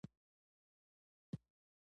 د بانکي کارتونو کارول وخت سپموي.